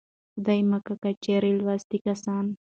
خدايه مکې که چېرې لوستي کسان